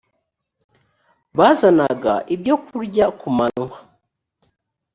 bazanaga ibyokurya kumanywa